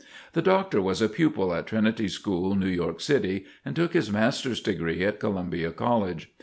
The Doctor was a pupil at Trinity School, New York City, and took his Master's degree at Columbia College.